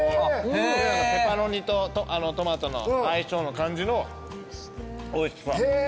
ペパロニとトマトの相性の感じのおいしさ。